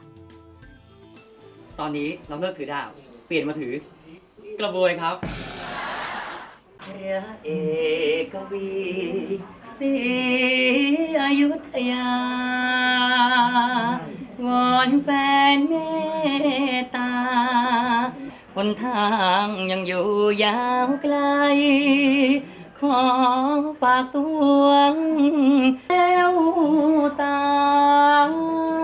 ตอนนี้เราเลิกถือด้าวเปลี่ยนมาถือกระบวยครับ